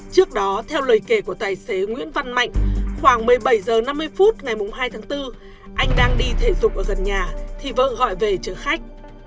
trước đó theo lời kể của tài xế nguyễn văn mạnh khoảng một mươi bảy h năm mươi phút ngày hai tháng bốn anh đang đi thể dục ở gần nhà thì vợ gọi về chở khách